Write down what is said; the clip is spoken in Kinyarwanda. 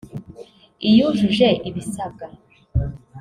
iyujuje ibisabwa